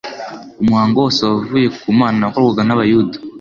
Umuhango wose wavuye ku Mana wakorwaga n'abayuda,